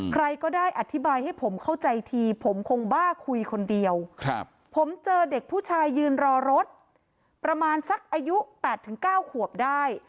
ใครก็ได้อธิบายให้ผมเข้าใจทีผมคงบ้าคุยคนเดียวผมเจอเด็กผู้ชายยืนรอรถประมาณสักอายุ๘๙ขวบได้